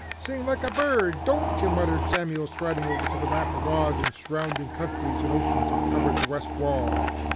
"Sing like a bird, don't ye?" muttered Samuel striding over to the map of Oz and surrounding countries and oceans that covered the west wall.